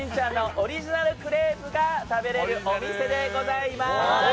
オリジナルクレープが食べれるお店でございます。